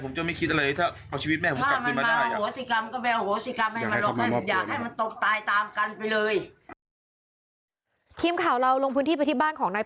ผมก็จะโหสิกรรมทุกอย่าง